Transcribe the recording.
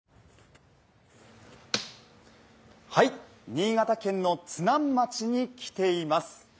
新潟県の津南町に来ています。